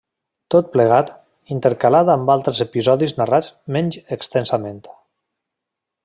Tot plegat, intercalat amb altres episodis narrats menys extensament.